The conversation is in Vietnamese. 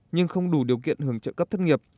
nhưng không đủ điều kiện hưởng trợ cấp thất nghiệp